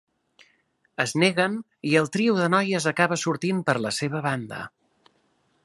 Es neguen i el trio de noies acaba sortint per la seva banda.